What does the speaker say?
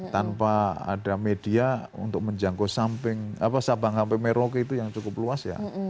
tanpa ada media untuk menjangkau samping sabang sampai merauke itu yang cukup luas ya